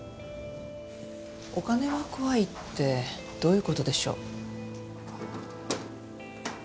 「お金は怖い」ってどういう事でしょう？